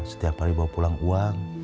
setiap hari bawa pulang uang